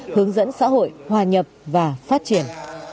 hướng dẫn xã hội hòa nhập và phát triển